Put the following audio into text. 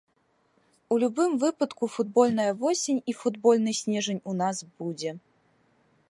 У любым выпадку футбольная восень і футбольны снежань у нас будзе.